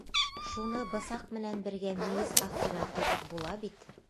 Шуны бысаҡ менән бергә мейес аҫтына тығып була бит.